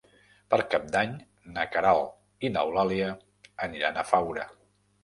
Per Cap d'Any na Queralt i n'Eulàlia aniran a Faura.